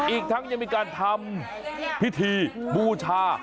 อีกทั้งยังมีการทำพิธีบูชา